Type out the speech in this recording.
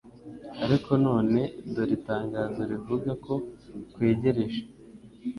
ariko none dore itangazo rivuga ko kwegereje.